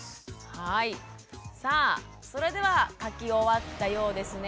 はいさあそれでは書き終わったようですね。